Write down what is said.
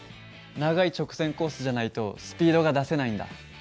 長い直線コースじゃないとスピードが出せないんだ。